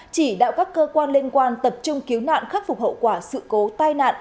chỉ đạo các cơ quan liên quan tập trung cứu nạn khắc phục hậu quả sự cố tai nạn